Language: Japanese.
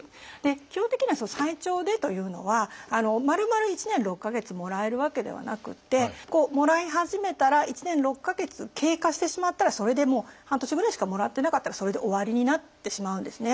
基本的には「最長で」というのはまるまる１年６か月もらえるわけではなくってもらい始めたら１年６か月経過してしまったらそれでもう半年ぐらいしかもらってなかったらそれで終わりになってしまうんですね。